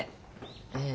ええ。